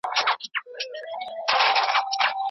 که د علم د اصولو د وضاحت لپاره هڅه وسي، باثباته به وي.